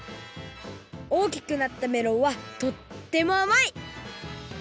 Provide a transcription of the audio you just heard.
おおきくなったメロンはとってもあまい！